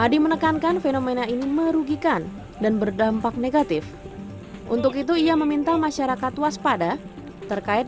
dan benar benar ini merugikan dan berdampak negatif untuk itu ia meminta masyarakat waspada terkait